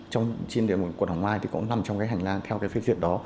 trên địa mục quận hoàng mai thì cũng nằm trong hành lang theo phê duyệt đó